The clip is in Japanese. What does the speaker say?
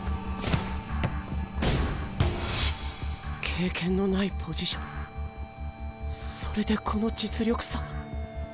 経験のないポジションそれでこの実力差？